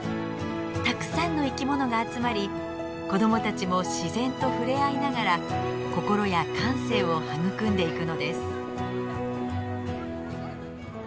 たくさんの生き物が集まり子どもたちも自然とふれあいながら心や感性を育んでいくのです。